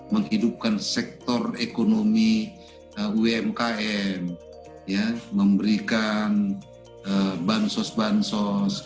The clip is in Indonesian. menghidupkan sektor ekonomi umkm memberikan bansos bansos